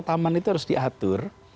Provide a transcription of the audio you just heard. taman itu harus diatur